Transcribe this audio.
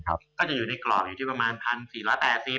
ก็จะอยู่ในกรอบอยู่ที่ประมาณ๑๔๘๐บาท